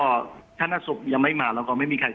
แล้วก็ชั้นหน้าศพยังไม่มาแล้วก็ไม่มีใครต่อ